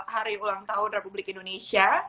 hari ulang tahun republik indonesia